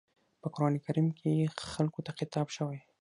په قرآن کريم کې خلکو ته خطاب شوی.